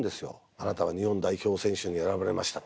あなたは日本代表選手に選ばれました。